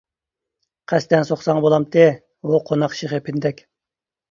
قەستەن سوقساڭ بولامتى؟ ھۇ قوناق شېخى پىندەك.